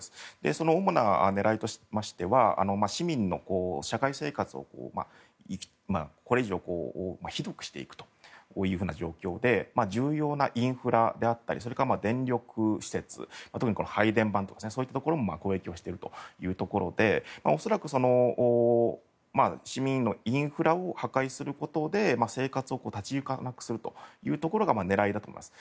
その主な狙いとしましては市民の社会生活をこれ以上ひどくしていくという状況で重要なインフラであったり電力施設、特に配電盤とかそういったところも攻撃しているということで恐らく市民のインフラを破壊することで生活を立ち行かなくするというところが狙いだと思います。